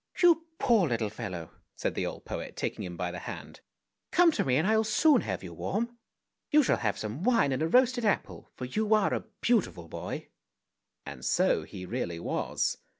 ' You poor little fellow! " said the old poet, taking him by the hand. " Come to me and I will soon have you warm! You shall have some wine and a roasted apple, for you are a beautiful boy !" And so he really was.